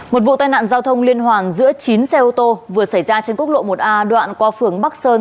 một vụ tai nạn giao thông liên hoàn giữa chín xe ô tô vừa xảy ra trên quốc lộ một a đoạn qua phường bắc sơn